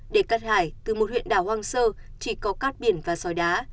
để cát hải từ một huyện đảo hoang sơ chỉ có cát biển và sòi đá